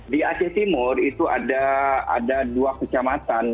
di aceh timur itu ada dua kecamatan